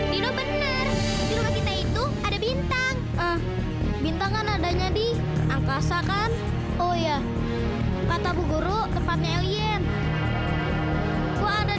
dino bener jugak intuituk ada bintang bintang arangnya di angkasa kan oh ya kata bu guru kepadanya diminuti